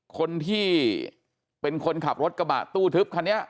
คนที่เป็นคนขับรถกระบะตู้ทึบคันนี้